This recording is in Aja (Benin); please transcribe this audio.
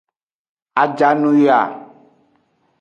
Ajanuyoa.